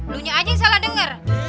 lunyi aji yang salah denger